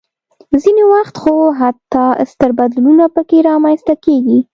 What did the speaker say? ځینې وخت خو حتی ستر بدلونونه پکې رامنځته کېږي.